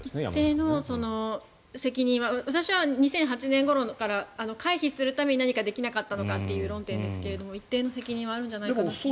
一定の責任は私は２００８年ごろから回避するために何かできなかったのかという論点ですが一定の責任はあるんじゃないかなと。